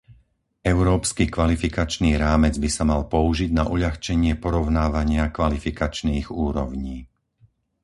Európsky kvalifikačný rámec by sa mal použiť na uľahčenie porovnávania kvalifikačných úrovní.